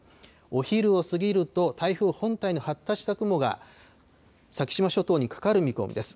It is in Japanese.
お昼を過ぎると、台風本体の発達した雲が、先島諸島にかかる見込みです。